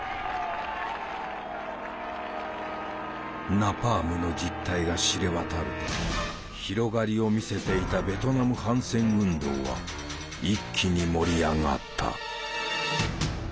ナパームの実態が知れ渡ると広がりを見せていたベトナム反戦運動は一気に盛り上がった。